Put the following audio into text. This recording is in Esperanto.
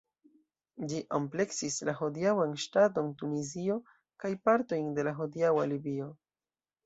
Ĝi ampleksis la hodiaŭan ŝtaton Tunizio kaj partojn de la hodiaŭa Libio.